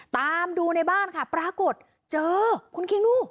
ตามดูในบ้านค่ะปรากฏเจอคุณคิงดู